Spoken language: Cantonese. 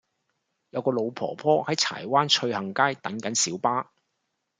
有個老婆婆喺柴灣翠杏街等緊小巴